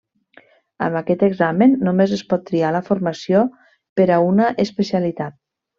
Amb aquest examen només es pot triar la formació per a una Especialitat.